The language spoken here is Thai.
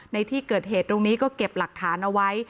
ในที่เกิดเหตุตรงนี้ก็เก็บหลักฐานเอาไว้